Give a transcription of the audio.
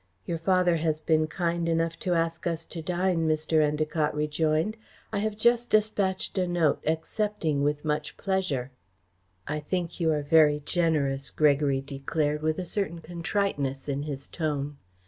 "Your father has been kind enough to ask us to dine," Mr. Endacott rejoined. "I have just despatched a note, accepting with much pleasure." "I think you are very generous," Gregory declared, with a certain contriteness in his tone.